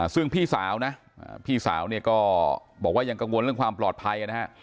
ซึ่งพี่สาวก็บอกว่ายังกังวลเรื่องความปลอดภัย